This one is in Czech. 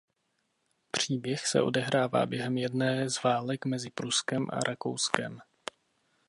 Příběh se odehrává během jedné z válek mezi Pruskem a Rakouskem.